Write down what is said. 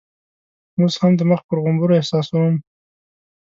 اوس هم د مخ پر غومبرو احساسوم.